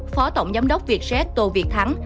phó tổng giám đốc việt jet tô việt thắng